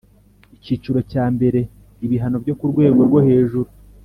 Icyiciro cya mbere Ibihano byo mu rwego rwo hejuru